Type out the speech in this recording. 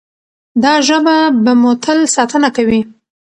دا ژبه به مو تل ساتنه کوي.